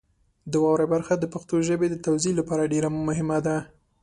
د واورئ برخه د پښتو ژبې د توزیع لپاره ډېره مهمه ده.